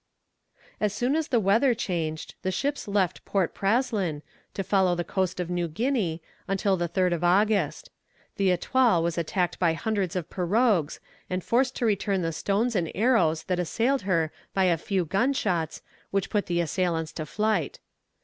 As soon as the weather changed, the ships left Port Praslin, to follow the coast of New Guinea, until the 3rd of August. The Etoile was attacked by hundreds of pirogues, and forced to return the stones and arrows that assailed her by a few gunshots, which put the assailants to flight.